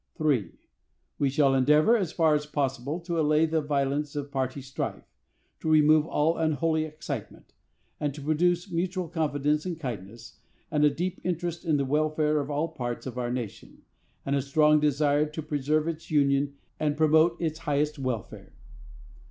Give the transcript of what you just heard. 3. We shall endeavor, as far as possible, to allay the violence of party strife, to remove all unholy excitement, and to produce mutual confidence and kindness, and a deep interest in the welfare of all parts of our nation; and a strong desire to preserve its union and promote its highest welfare.